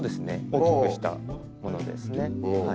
大きくしたものですね。